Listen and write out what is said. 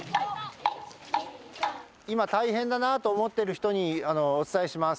今、大変だなと思っている人にお伝えします。